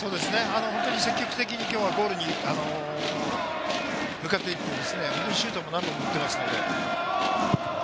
本当に積極的に今日はゴールに向かっていって、シュートも何本も打っていますので。